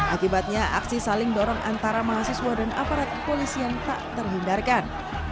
akibatnya aksi saling dorong antara mahasiswa dan aparat kepolisian tak terhindarkan